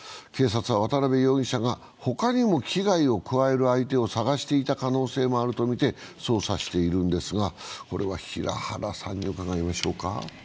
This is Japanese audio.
警察は渡辺容疑者が、ほかにも危害を加える相手を探していた可能性もあるとみて捜査しているんですが、これは平原さんに伺いましょうか。